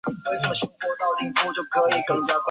山顶则是著名的观光地。